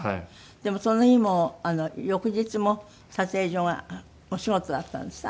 でもその日も翌日も撮影所がお仕事だったんですって？